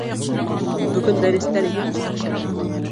Бөгөн дәрестәр юҡ